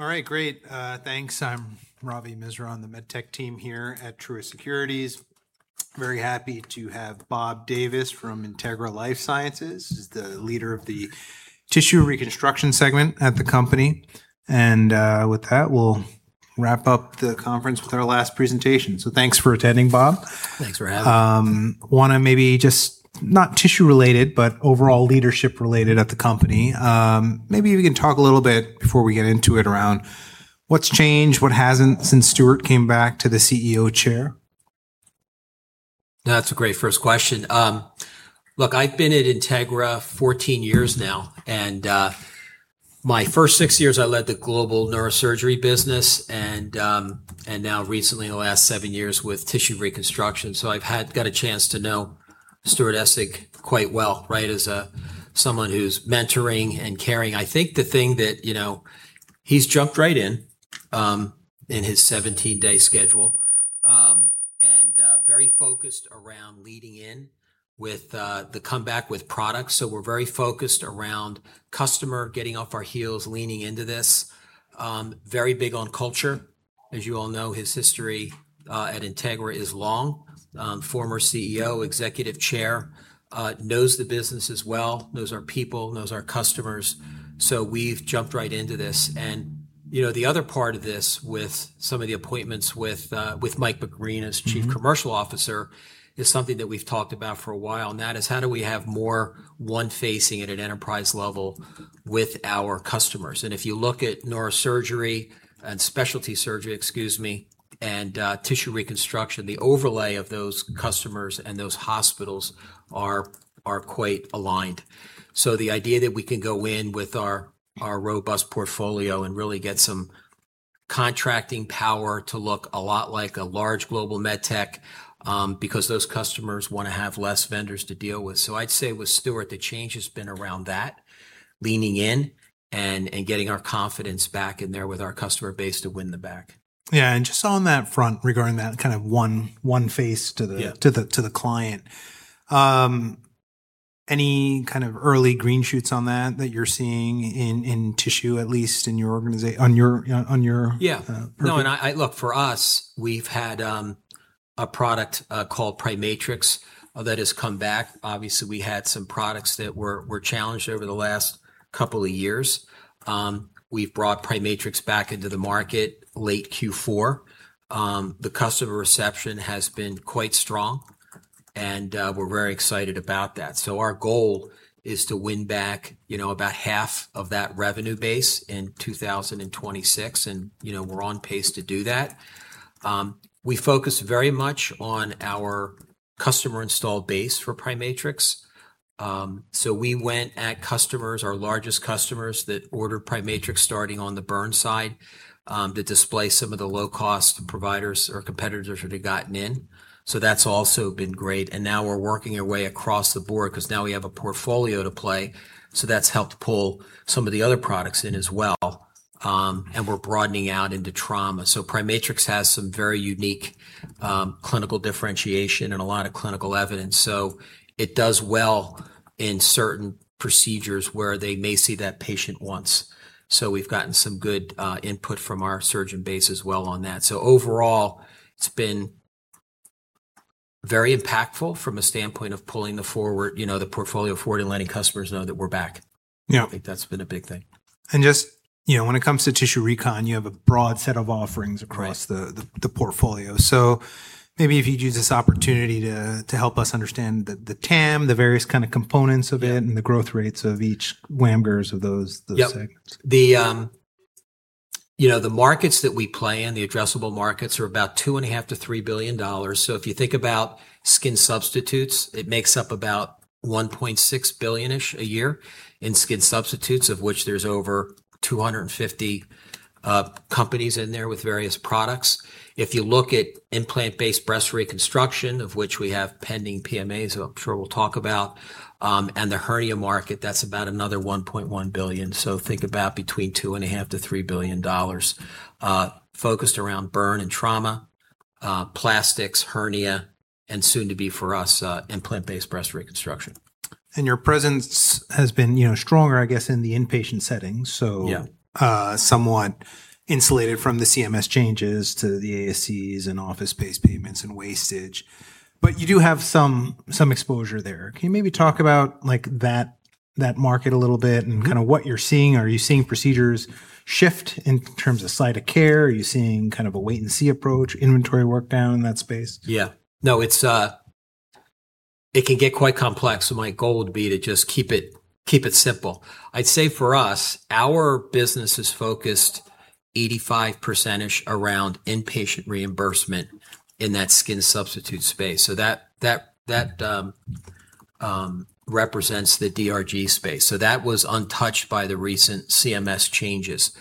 All right, great. Thanks. I'm Ravi Misra on the medtech team here at Truist Securities. Very happy to have Bob Davis from Integra LifeSciences. He's the leader of the Tissue Reconstruction segment at the company. With that, we'll wrap up the conference with our last presentation. Thanks for attending, Bob. Thanks for having me. Not tissue related, overall leadership related at the company. Maybe if you can talk a little bit before we get into it, around what's changed, what hasn't, since Stuart came back to the CEO chair? That's a great first question. Look, I've been at Integra 14 years now, and my first six years I led the global neurosurgery business and now recently, the last seven years with Tissue Reconstruction. I've got a chance to know Stuart Essig quite well, right, as someone who's mentoring and caring. I think the thing that he's jumped right in his 17-day schedule, and very focused around leading in with the comeback with products. We're very focused around customer, getting off our heels, leaning into this. Very big on culture. As you all know, his history at Integra is long. Former CEO, Executive Chair, knows the business as well, knows our people, knows our customers. We've jumped right into this. The other part of this, with some of the appointments with Mike McBreen as chief commercial officer, is something that we've talked about for a while now, is how do we have more one-facing at an enterprise level with our customers? If you look at neurosurgery and specialty surgery, excuse me, and tissue reconstruction, the overlay of those customers and those hospitals are quite aligned. The idea that we can go in with our robust portfolio and really get some contracting power to look a lot like a large global med tech, because those customers want to have less vendors to deal with. I'd say with Stuart, the change has been around that, leaning in and getting our confidence back in there with our customer base to win them back. Yeah. Just on that front, regarding that one face to the client, any early green shoots on that that you're seeing in tissue, at least in your organization, on your- Yeah Purview? No. Look, for us, we've had a product called PriMatrix that has come back. Obviously, we had some products that were challenged over the last couple of years. We've brought PriMatrix back into the market late Q4. The customer reception has been quite strong and we're very excited about that. Our goal is to win back about half of that revenue base in 2026, and we're on pace to do that. We focus very much on our customer install base for PriMatrix. We went at customers, our largest customers that ordered PriMatrix starting on the burn side, to displace some of the low-cost providers or competitors that had gotten in. That's also been great, and now we're working our way across the board because now we have a portfolio to play. That's helped pull some of the other products in as well. We're broadening out into trauma. PriMatrix has some very unique clinical differentiation and a lot of clinical evidence. It does well in certain procedures where they may see that patient once. We've gotten some good input from our surgeon base as well on that. Overall, it's been very impactful from a standpoint of pulling the portfolio forward and letting customers know that we're back. Yeah. I think that's been a big thing. Just when it comes to tissue recon, you have a broad set of offerings across the portfolio. Maybe if you'd use this opportunity to help us understand the TAM, the various kind of components of it, and the growth rates of each CAGRs of those segments. Yep. The markets that we play in, the addressable markets, are about $2.5 billion-$3 billion. If you think about skin substitutes, it makes up about $1.6 billion a year in skin substitutes, of which there's over 250 companies in there with various products. If you look at implant-based breast reconstruction, of which we have pending PMAs, I'm sure we'll talk about, and the hernia market, that's about another $1.1 billion. Think about between $2.5 billion-$3 billion focused around burn and trauma, plastics, hernia, and soon to be for us, implant-based breast reconstruction. Your presence has been stronger, I guess, in the inpatient setting. Yeah Somewhat insulated from the CMS changes to the ASCs and office-based payments and wastage. You do have some exposure there. Can you maybe talk about that market a little bit and what you're seeing? Are you seeing procedures shift in terms of site of care? Are you seeing a wait and see approach, inventory work down in that space? Yeah. No. It can get quite complex, my goal would be to just keep it simple. I'd say for us, our business is focused 85%-ish around inpatient reimbursement in that skin substitute space. That represents the DRG space. That was untouched by the recent CMS changes.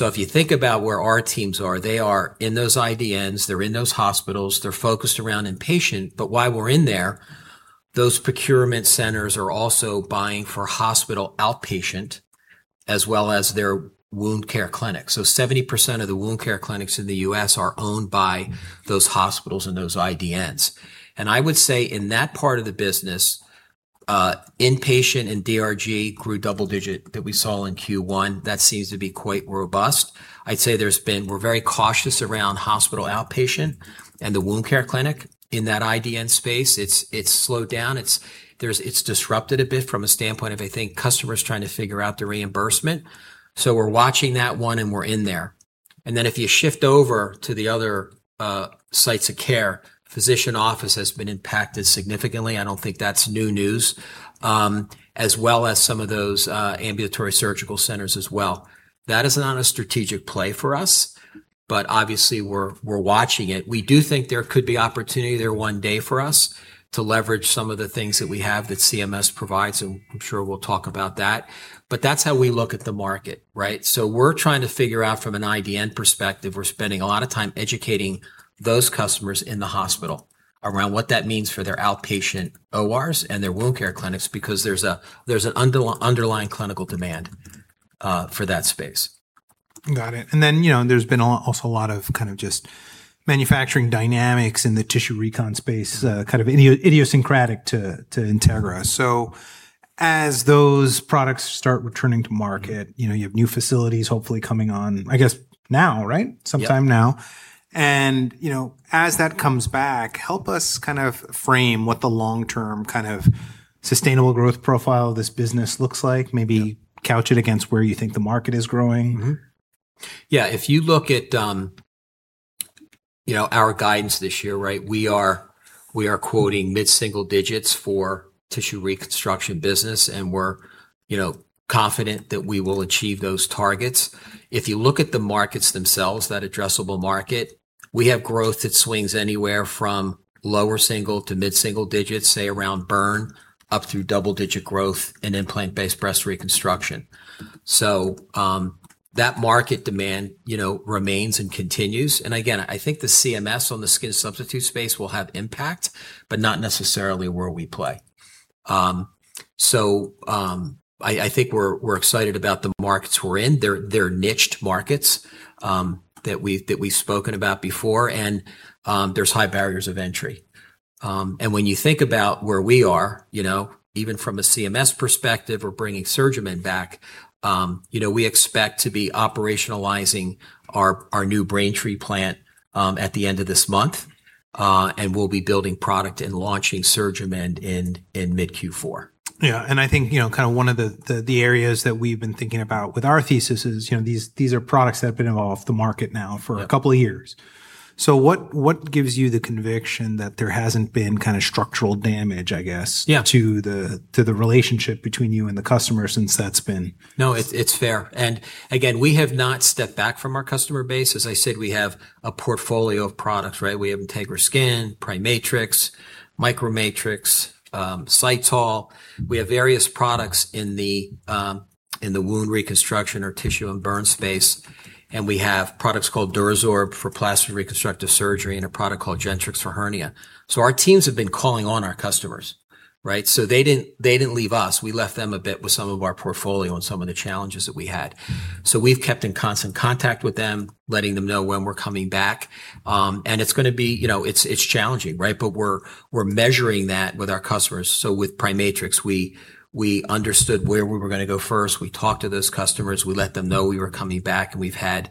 If you think about where our teams are, they are in those IDNs, they're in those hospitals, they're focused around inpatient. While we're in there, those procurement centers are also buying for hospital outpatient as well as their wound care clinic. 70% of the wound care clinics in the U.S. are owned by those hospitals and those IDNs. I would say in that part of the business Inpatient and DRG grew double digit that we saw in Q1. That seems to be quite robust. I'd say we're very cautious around hospital outpatient and the wound care clinic in that IDN space. It's slowed down. It's disrupted a bit from a standpoint of, I think, customers trying to figure out the reimbursement. We're watching that one, and we're in there. If you shift over to the other sites of care, physician office has been impacted significantly. I don't think that's new news. As well as some of those ambulatory surgical centers as well. That is not a strategic play for us, but obviously we're watching it. We do think there could be opportunity there one day for us to leverage some of the things that we have that CMS provides, and I'm sure we'll talk about that. That's how we look at the market, right? We're trying to figure out from an IDN perspective, we're spending a lot of time educating those customers in the hospital around what that means for their outpatient ORs and their wound care clinics because there's an underlying clinical demand for that space. Got it. There's been also a lot of kind of just manufacturing dynamics in the tissue recon space, kind of idiosyncratic to Integra. As those products start returning to market, you have new facilities hopefully coming on, I guess now, right? Yep. Sometime now. As that comes back, help us kind of frame what the long-term kind of sustainable growth profile of this business looks like. Maybe couch it against where you think the market is growing. Mm-hmm. Yeah. If you look at our guidance this year, right, we are quoting mid-single digits for tissue reconstruction business, and we're confident that we will achieve those targets. If you look at the markets themselves, that addressable market, we have growth that swings anywhere from lower single to mid-single digits, say around burn, up through double-digit growth in implant-based breast reconstruction. That market demand remains and continues. Again, I think the CMS on the skin substitute space will have impact, but not necessarily where we play. I think we're excited about the markets we're in. They're niched markets that we've spoken about before, and there's high barriers of entry. When you think about where we are, even from a CMS perspective or bringing SurgiMend back, we expect to be operationalizing our new Braintree plant at the end of this month. We'll be building product and launching SurgiMend in mid Q4. Yeah. I think one of the areas that we've been thinking about with our thesis is these are products that have been off the market now for a couple of years. Yeah. What gives you the conviction that there hasn't been kind of structural damage, I guess- Yeah To the relationship between you and the customer since that's been- No, it's fair. Again, we have not stepped back from our customer base. As I said, we have a portfolio of products, right? We have Integra Dermal Regeneration Template, PriMatrix, MicroMatrix, Cytal. We have various products in the wound reconstruction or tissue and burn space. We have products called DuraSorb for plastic reconstructive surgery and a product called Gentrix for hernia. Our teams have been calling on our customers, right? They didn't leave us, we left them a bit with some of our portfolio and some of the challenges that we had. We've kept in constant contact with them, letting them know when we're coming back. It's going to be challenging, right, but we're measuring that with our customers. With PriMatrix, we understood where we were going to go first. We talked to those customers. We let them know we were coming back. We've had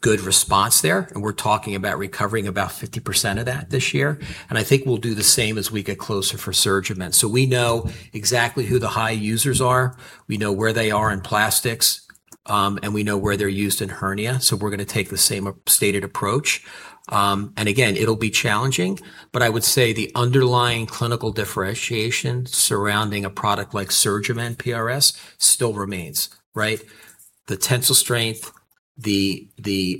good response there, and we're talking about recovering about 50% of that this year. I think we'll do the same as we get closer for SurgiMend. We know exactly who the high users are, we know where they are in plastics, and we know where they're used in hernia. We're going to take the same stated approach. Again, it'll be challenging, but I would say the underlying clinical differentiation surrounding a product like SurgiMend PRS still remains, right? The tensile strength, the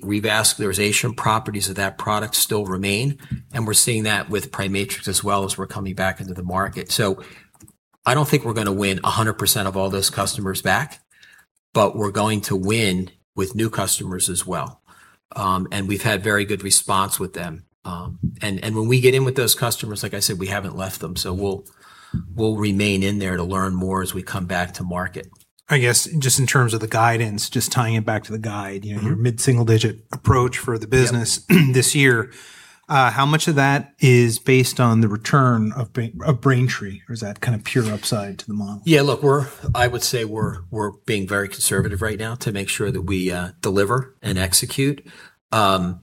revascularization properties of that product still remain, and we're seeing that with PriMatrix as well as we're coming back into the market. I don't think we're going to win 100% of all those customers back, but we're going to win with new customers as well. We've had very good response with them. When we get in with those customers, like I said, we haven't left them, so we'll remain in there to learn more as we come back to market. I guess, just in terms of the guidance, just tying it back to the guide your mid-single digit approach for the business. Yep This year, how much of that is based on the return of SurgiMend, or is that kind of pure upside to the model? Yeah, look, I would say we're being very conservative right now to make sure that we deliver and execute. Right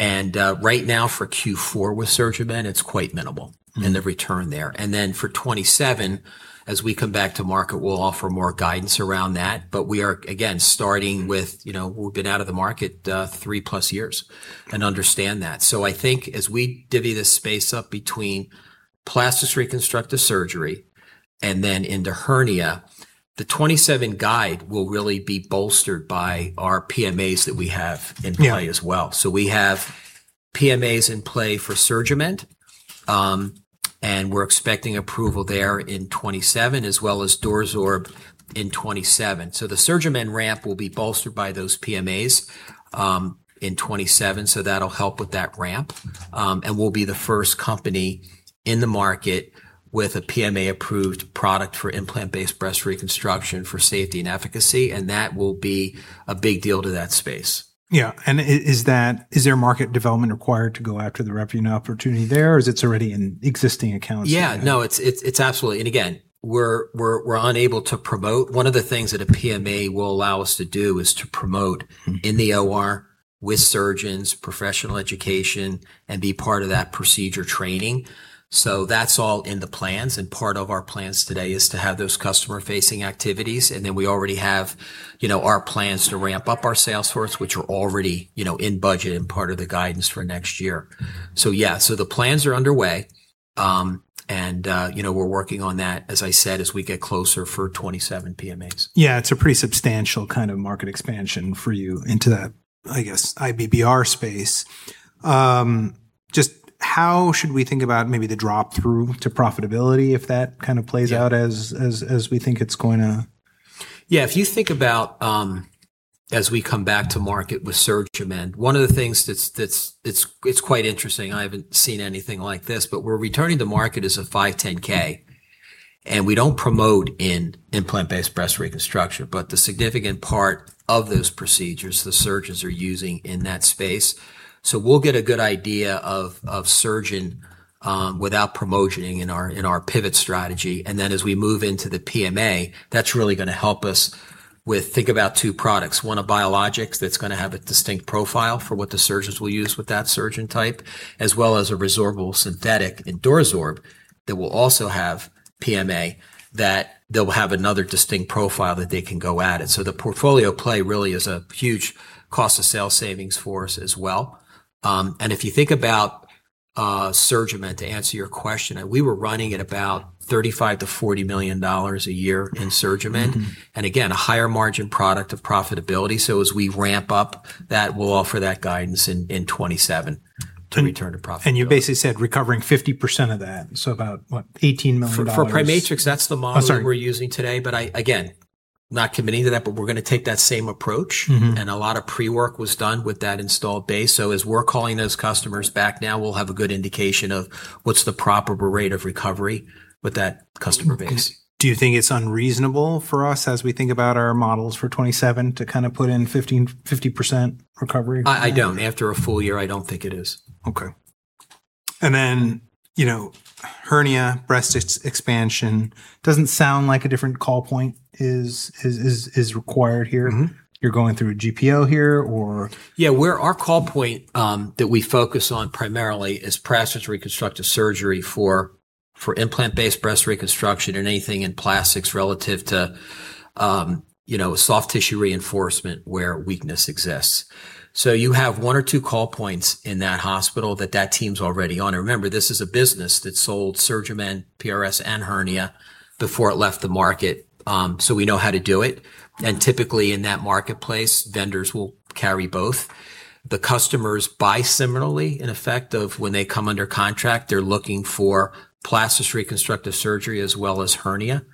now for Q4 with SurgiMend, it's quite minimal. In the return there. Then for 2027, as we come back to market, we'll offer more guidance around that. We are, again, starting with we've been out of the market three plus years and understand that. I think as we divvy this space up between plastics reconstructive surgery and then into hernia, the 2027 guide will really be bolstered by our PMAs that we have in play as well. Yeah. We have PMAs in play for SurgiMend, and we're expecting approval there in 2027 as well as DuraSorb in 2027. The SurgiMend ramp will be bolstered by those PMAs in 2027, so that'll help with that ramp. We'll be the first company in the market with a PMA-approved product for implant-based breast reconstruction for safety and efficacy, and that will be a big deal to that space. Yeah. Is there market development required to go after the revenue opportunity there, or is it already in existing accounts? Yeah. No, it's absolutely. Again, we're unable to promote. One of the things that a PMA will allow us to do is to promote in the OR with surgeons, professional education, and be part of that procedure training. That's all in the plans. Part of our plans today is to have those customer-facing activities. We already have our plans to ramp up our sales force, which are already in budget and part of the guidance for next year. The plans are underway. We're working on that, as I said, as we get closer for 2027 PMAs. Yeah. It's a pretty substantial market expansion for you into that IBR space. Just how should we think about maybe the drop-through to profitability if that kind of plays out- Yeah As we think it's going to? Yeah. If you think about as we come back to market with SurgiMend, one of the things that's quite interesting, I haven't seen anything like this, we're returning to market as a 510(k). We don't promote in implant-based breast reconstruction, but the significant part of those procedures, the surgeons are using in that space. We'll get a good idea of surgeon without promoting in our pivot strategy. As we move into the PMA, that's really going to help us with think about two products. One, a biologics that's going to have a distinct profile for what the surgeons will use with that surgeon type, as well as a resorbable synthetic in DuraSorb that will also have PMA, that they'll have another distinct profile that they can go at it. The portfolio play really is a huge cost of sales savings for us as well. If you think about SurgiMend, to answer your question, we were running at about $35 million-$40 million a year in SurgiMend. Again, a higher margin product of profitability. As we ramp up, that will offer that guidance in 2027 to return to profitability. You basically said recovering 50% of that, so about, what, $18 million? For PriMatrix. Oh, sorry. That's the model that we're using today, but again, not committing to that, but we're going to take that same approach. A lot of pre-work was done with that installed base. As we're calling those customers back now, we'll have a good indication of what's the proper rate of recovery with that customer base. Do you think it's unreasonable for us as we think about our models for 2027 to put in 50% recovery? I don't. After a full year, I don't think it is. Okay. Hernia, breast expansion, doesn't sound like a different call point is required here. You're going through a GPO here or. Yeah. Our call point that we focus on primarily is plastic reconstructive surgery for implant-based breast reconstruction or anything in plastics relative to soft tissue reinforcement where weakness exists. You have one or two call points in that hospital that that team's already on. Remember, this is a business that sold SurgiMend PRS and hernia before it left the market. We know how to do it. Typically in that marketplace, vendors will carry both. The customers buy similarly in effect of when they come under contract, they're looking for plastics reconstructive surgery as well as hernia.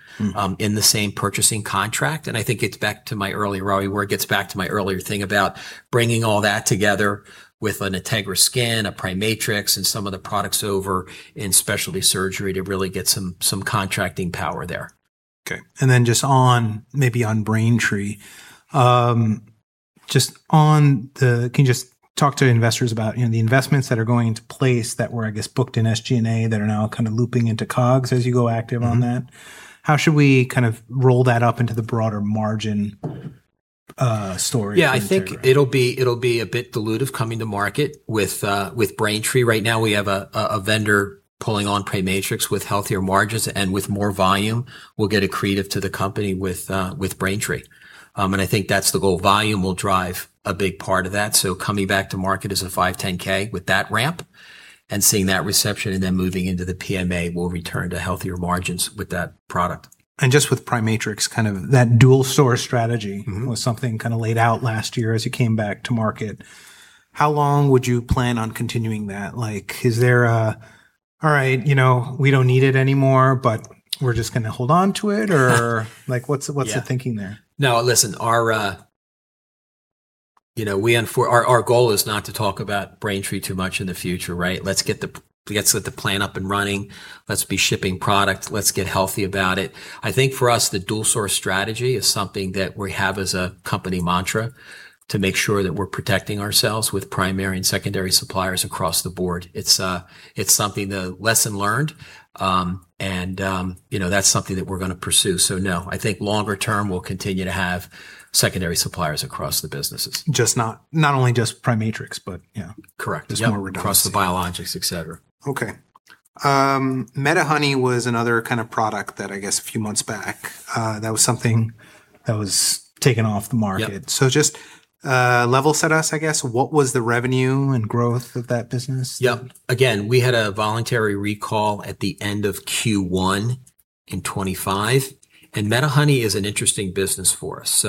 In the same purchasing contract. I think it's back to my earlier, Ravi, where it gets back to my earlier thing about bringing all that together with an Integra Skin, a PriMatrix, and some of the products over in specialty surgery to really get some contracting power there. Okay. Then just on maybe on Braintree. Can you just talk to investors about the investments that are going into place that were, I guess, booked in SG&A that are now kind of looping into COGS as you go active on that? How should we roll that up into the broader margin story for the share run? Yeah. I think it'll be a bit dilutive coming to market with Braintree. Right now we have a vendor pulling on PriMatrix with healthier margins and with more volume. We'll get accretive to the company with Braintree. I think that's the goal. Volume will drive a big part of that. Coming back to market as a 510 with that ramp and seeing that reception and then moving into the PMA, we'll return to healthier margins with that product. Just with PriMatrix, that dual source strategy. That was something laid out last year as you came back to market. How long would you plan on continuing that? Is there a, "All right, we don't need it anymore, but we're just going to hold onto it," or what's the thinking there? No, listen. Our goal is not to talk about Braintree too much in the future, right? Let's get the plan up and running. Let's be shipping product. Let's get healthy about it. I think for us, the dual source strategy is something that we have as a company mantra to make sure that we're protecting ourselves with primary and secondary suppliers across the board. It's something, the lesson learned, and that's something that we're going to pursue. No. I think longer term, we'll continue to have secondary suppliers across the businesses. Not only just PriMatrix, but yeah. Correct. Yep. Just more redundancy. Across the biologics, et cetera. Okay. MediHoney was another kind of product that I guess a few months back, that was something that was taken off the market. Yep. Just level set us, I guess. What was the revenue and growth of that business? Yep. Again, we had a voluntary recall at the end of Q1 in 2025, MediHoney is an interesting business for us.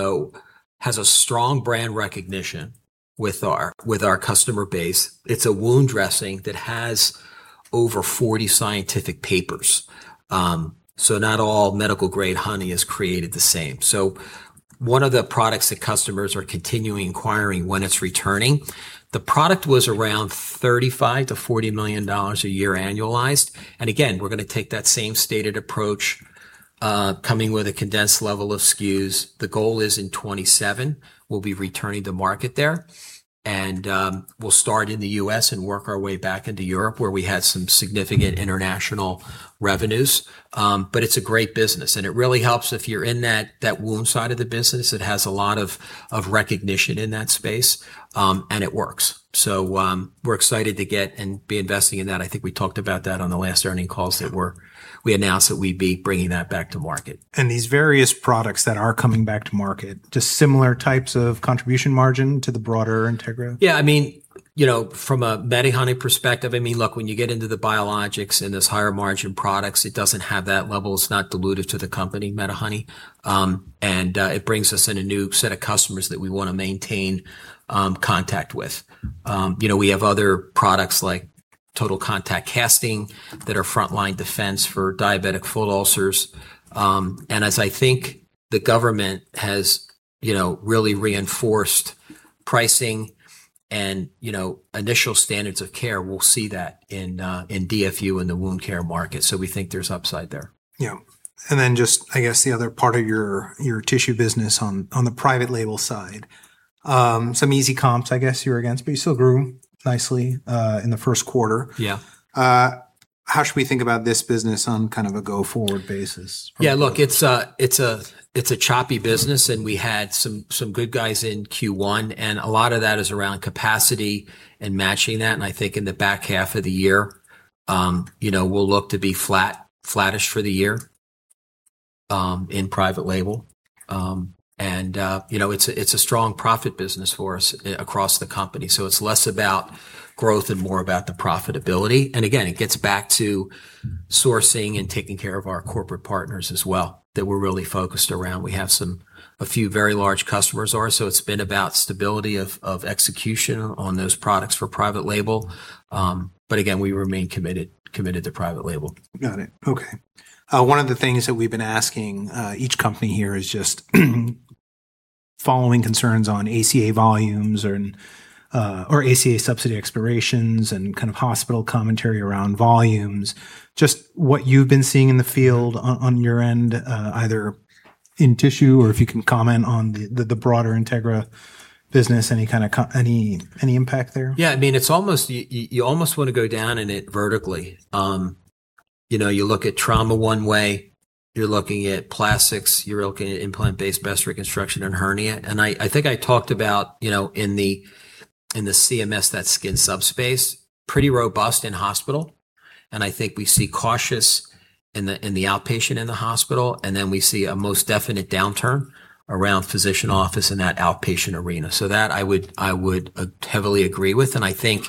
Has a strong brand recognition with our customer base. It's a wound dressing that has over 40 scientific papers. Not all medical grade honey is created the same. One of the products that customers are continuing inquiring when it's returning. The product was around $35 million-$40 million a year annualized. Again, we're going to take that same stated approach, coming with a condensed level of SKUs. The goal is in 2027, we'll be returning to market there. We'll start in the U.S. and work our way back into Europe, where we had some significant international revenues. It's a great business, and it really helps if you're in that wound side of the business. It has a lot of recognition in that space, and it works. We're excited to get and be investing in that. I think we talked about that on the last earnings calls that we announced that we'd be bringing that back to market. These various products that are coming back to market, just similar types of contribution margin to the broader Integra? Yeah, from a MediHoney perspective, look, when you get into the biologics and those higher margin products, it doesn't have that level. It's not dilutive to the company, MediHoney. It brings us in a new set of customers that we want to maintain contact with. We have other products like Total Contact casting that are frontline defense for diabetic foot ulcers. As I think the government has really reinforced pricing and initial standards of care, we'll see that in DFU in the wound care market. We think there's upside there. Yeah. Then just, I guess the other part of your tissue business on the private label side. Some easy comps, I guess, you're against, but you still grew nicely in the first quarter. Yeah. How should we think about this business on a go-forward basis? Yeah, look, it's a choppy business and we had some good guys in Q1 and a lot of that is around capacity and matching that. I think in the back half of the year, we'll look to be flattish for the year in private label. It's a strong profit business for us across the company. It's less about growth and more about the profitability. Again, it gets back to sourcing and taking care of our corporate partners as well, that we're really focused around. We have a few very large customers of ours, so it's been about stability of execution on those products for private label. Again, we remain committed to private label. Got it. Okay. One of the things that we've been asking each company here is just following concerns on ACA volumes or ACA subsidy expirations and hospital commentary around volumes. Just what you've been seeing in the field on your end, either in tissue or if you can comment on the broader Integra business. Any impact there? Yeah, you almost want to go down in it vertically. You look at trauma one way, you're looking at plastics, you're looking at implant-based breast reconstruction and hernia. I think I talked about in the CMS, that skin substitutes, pretty robust in hospital. I think we see cautious in the outpatient in the hospital, and then we see a most definite downturn around physician office in that outpatient arena. That I would heavily agree with. I think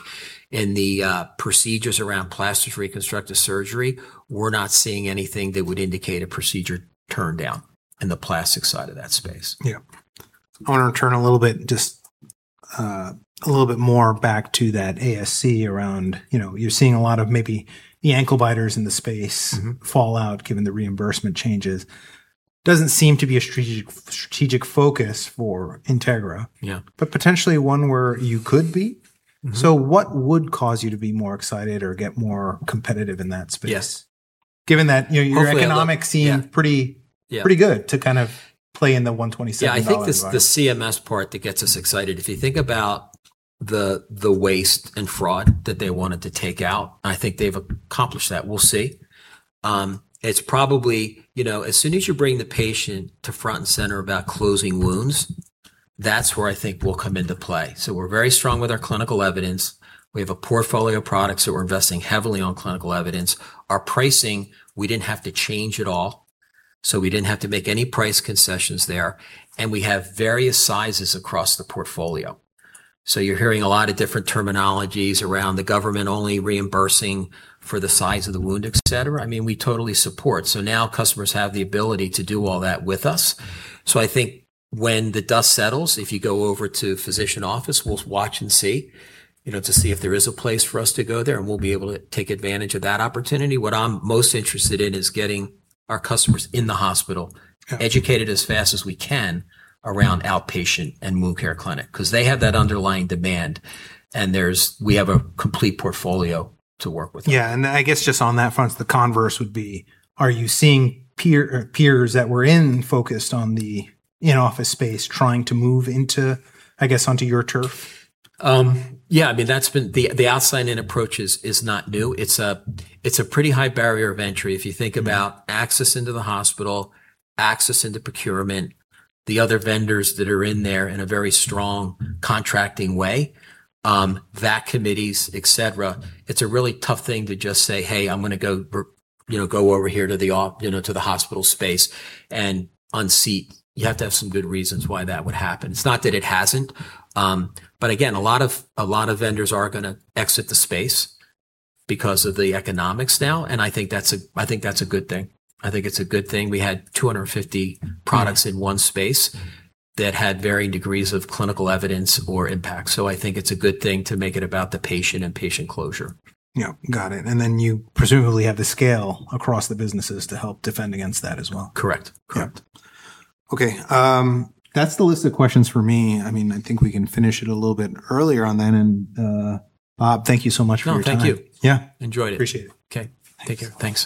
in the procedures around plastics reconstructive surgery, we're not seeing anything that would indicate a procedure turndown in the plastic side of that space. Yeah. I want to return a little bit more back to that ASC around, you're seeing a lot of maybe the ankle biters in the space fall out given the reimbursement changes. Doesn't seem to be a strategic focus for Integra. Yeah. Potentially one where you could be. What would cause you to be more excited or get more competitive in that space? Yes. Given that your economics seem- Yeah Pretty good to play in the $127 environment. I think the CMS part that gets us excited, if you think about the waste and fraud that they wanted to take out, and I think they've accomplished that. We'll see. As soon as you bring the patient to front and center about closing wounds, that's where I think we'll come into play. We're very strong with our clinical evidence. We have a portfolio of products that we're investing heavily on clinical evidence. Our pricing, we didn't have to change at all. We didn't have to make any price concessions there. We have various sizes across the portfolio. You're hearing a lot of different terminologies around the government only reimbursing for the size of the wound, et cetera. We totally support. Now customers have the ability to do all that with us. I think when the dust settles, if you go over to physician office, we'll watch and see, to see if there is a place for us to go there, and we'll be able to take advantage of that opportunity. What I'm most interested in is getting our customers in the hospital educated as fast as we can around outpatient and wound care clinic, because they have that underlying demand. We have a complete portfolio to work with them. I guess just on that front, the converse would be, are you seeing peers that were focused on the in-office space trying to move into, I guess, onto your turf? The outside-in approach is not new. It's a pretty high barrier of entry if you think about access into the hospital, access into procurement, the other vendors that are in there in a very strong contracting way, VAC committees, et cetera. It's a really tough thing to just say, "Hey, I'm going to go over here to the hospital space" and unseat. You have to have some good reasons why that would happen. It's not that it hasn't. Again, a lot of vendors are going to exit the space because of the economics now, and I think that's a good thing. I think it's a good thing. We had 250 products in one space that had varying degrees of clinical evidence or impact. I think it's a good thing to make it about the patient and patient closure. Got it. You presumably have the scale across the businesses to help defend against that as well. Correct. Okay. That's the list of questions for me. I think we can finish it a little bit earlier on then, Bob, thank you so much for your time. No, thank you. Yeah. Enjoyed it. Appreciate it. Okay. Take care. Thanks.